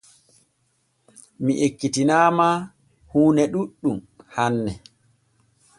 Mi ekkitinaama huune ɗuuɗɗum hanne.